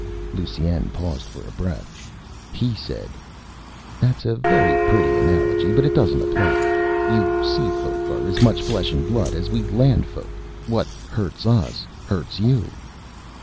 Lusine paused for breath. He said, "That is a very pretty analogy, but it doesn't apply. You Seafolk are as much flesh and blood as we Landfolk. What hurts us hurts you."